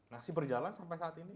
masih berjalan sampai saat ini